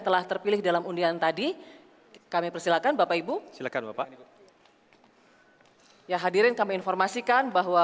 telah terpilih dalam undian tadi kami persilakan bapak ibu silakan bapak ya hadirin kami informasikan bahwa